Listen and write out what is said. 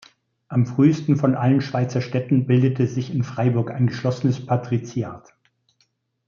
Am frühsten von allen Schweizer Städten bildete sich in Freiburg ein geschlossenes Patriziat.